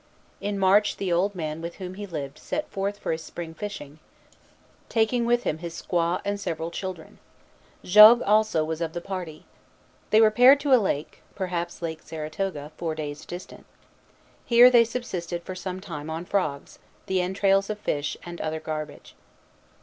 In March, the old man with whom he lived set forth for his spring fishing, taking with him his squaw, and several children. Jogues also was of the party. They repaired to a lake, perhaps Lake Saratoga, four days distant. Here they subsisted for some time on frogs, the entrails of fish, and other garbage.